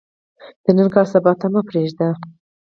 د نن کار سبا ته مه پریږدئ